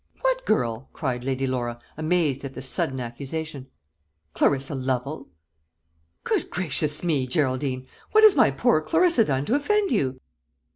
"What girl?" cried Lady Laura, amazed at this sudden accusation. "Clarissa Lovel." "Good gracious me, Geraldine! what has my poor Clarissa done to offend you?"